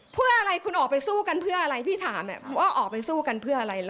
เพื่ออะไรคุณออกไปสู้กันเพื่ออะไรพี่ถามว่าออกไปสู้กันเพื่ออะไร